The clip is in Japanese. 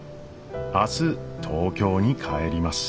明日東京に帰ります。